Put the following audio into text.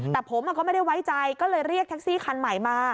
แต่ผมก็ไม่ได้ไว้ใจก็เลยเรียกแท็กซี่คันใหม่มา